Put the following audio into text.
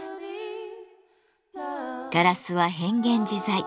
ガラスは変幻自在。